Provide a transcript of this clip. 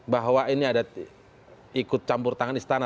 bahwa ini ada ikut campur tangan istana